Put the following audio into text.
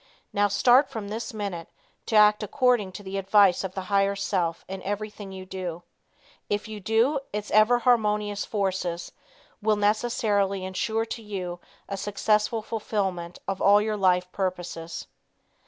Now start from this minute, to act according to the advice of the higher self in everything you do. If you do, its ever harmonious forces will necessarily insure to you a successful fulfilment of all your life purposes.